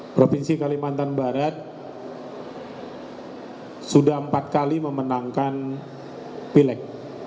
provinsi kalimantan barat sudah empat kali memenangkan pilek